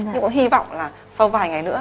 nhưng cũng hy vọng là sau vài ngày nữa